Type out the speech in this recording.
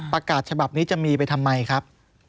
ประกาศฉบับนี้จะมีไปทำไมครับ